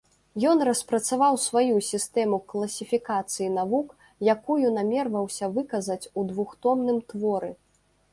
Ён распрацаваў сваю сістэму класіфікацыі навук, якую намерваўся выказаць у двухтомным творы.